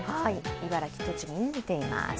茨城、栃木に出ています。